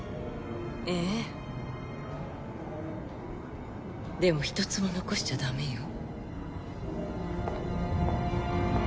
ええでも一つも残しちゃダメよ